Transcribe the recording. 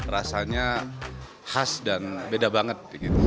rasanya khas dan beda banget